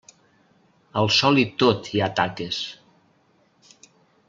Al sol i tot hi ha taques.